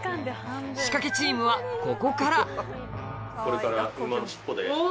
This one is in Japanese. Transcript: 仕掛けチームはここからこれから。